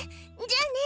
じゃあね。